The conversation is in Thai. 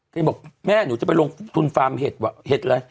ยังบอกแม่หนูจะไปลงทุนฟาร์มเห็ดว่ะเห็ดอะไร